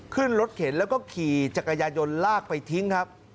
ขึ้นรถเข็นแล้วก็ขี่จักรยายนลากไปทิ้งครับ